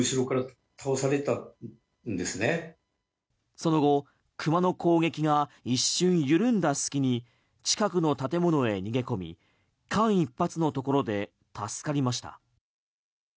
その後クマの攻撃が一瞬緩んだ隙に近くの建物へ逃げ込み間一髪のところで助かりました。